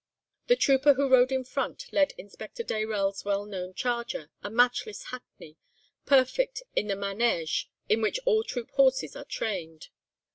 "The trooper who rode in front led Inspector Dayrell's well known charger, a matchless hackney, perfect in the manège in which all troop horses are trained.